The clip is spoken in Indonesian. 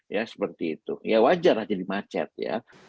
ya seperti itu ya wajar lah jadi macet ya